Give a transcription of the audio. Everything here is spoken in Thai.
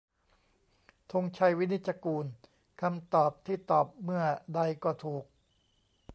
ธงชัย วินิจจะกูล : คำตอบที่ตอบเมื่อใดก็ถูก